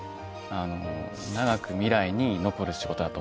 長く未来に残る仕事だと思ってます。